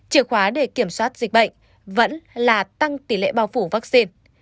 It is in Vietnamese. chìa khóa để kiểm soát dịch bệnh vẫn là tăng tỷ lệ bao phủ vaccine